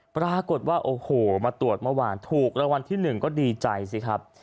ปรากฏว่าโอ้โหมาตรวจเมื่อวานถูกรางวัลที่๑ก็ดีใจสิครับ